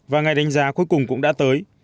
và ngày đánh giá cuối cùng cũng đã tới